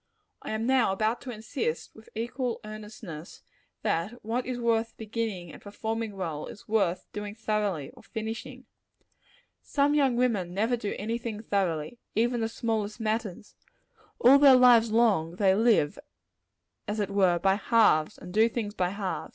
I am now about to insist, with equal earnestness, that what is worth beginning and performing well, is worth doing thoroughly, or finishing. Some young women never do any thing thoroughly even the smallest matters. All their lives long, they live, as it were, by halves, and do things by halves.